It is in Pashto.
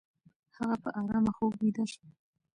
هغه په آرامه خوب ویده شو.